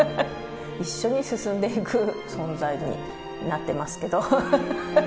一緒に進んでいく存在になってますけど。